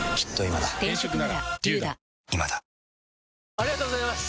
ありがとうございます！